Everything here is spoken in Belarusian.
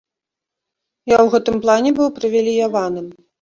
Я ў гэтым плане быў прывілеяваным.